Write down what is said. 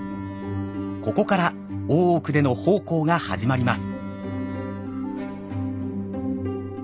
ここから大奥での奉公が始まります。